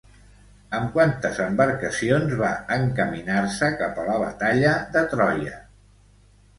Amb quantes embarcacions va encaminar-se cap a la batalla de Troia?